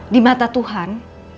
di mata tuhan